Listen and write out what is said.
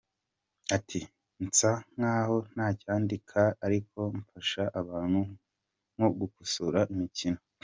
Ati “Nsa nk’aho ntacyandika ariko mfasha abantu nko gukosora imikino.